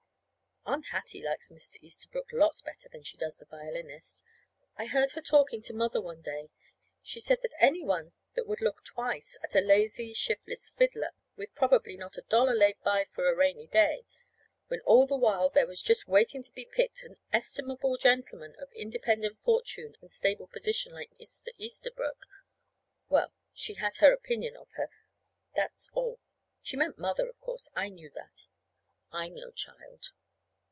Aunt Hattie likes Mr. Easterbrook lots better than she does the violinist. I heard her talking to Mother one day. She said that any one that would look twice at a lazy, shiftless fiddler with probably not a dollar laid by for a rainy day, when all the while there was just waiting to be picked an estimable gentleman of independent fortune and stable position like Mr. Easterbrook well, she had her opinion of her; that's all. She meant Mother, of course. I knew that. I'm no child.